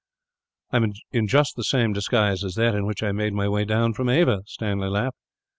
"I am in just the same disguise as that in which I made my way down from Ava," Stanley laughed.